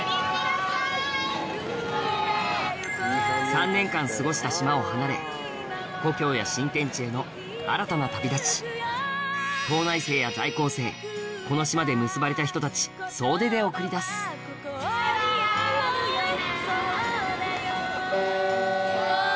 ３年間過ごした島を離れ故郷や新天地への新たな旅立ち島内生や在校生この島で結ばれた人たち総出で送り出すバイバイ！